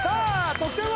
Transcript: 得点は？